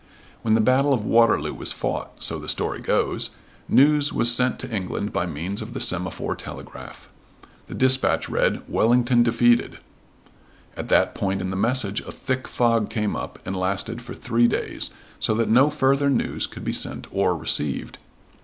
When the battle of Waterloo was fought so the story goes news was sent to England by means of the semaphore telegraph. The dispatch read, "Wellington defeated " At that point in the message a thick fog came up and lasted for three days, so that no further news could be sent or received.